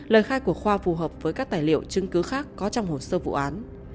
lời khai của khoa phù hợp với các tài liệu chứng cứ khác có trong hồ sơ vụ án